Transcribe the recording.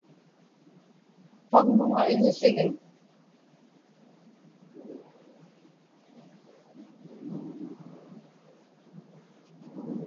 paŋmuŋa iḷisigiŋ